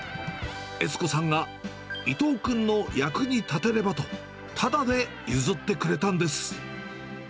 悦子さんが伊藤君の役に立てればと、ただで譲ってくれたんです。